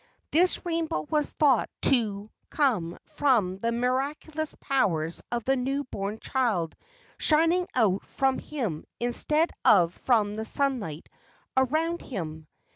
This rainbow was thought to come from the miraculous powers of the new born child shining out from him instead of from the sunlight around him.